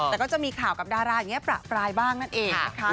แต่ก็จะมีข่าวกับดาราอย่างนี้ประปรายบ้างนั่นเองนะคะ